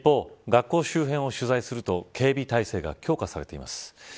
一方、学校周辺を取材すると警備態勢が強化されています。